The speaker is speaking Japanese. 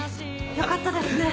よかったですね。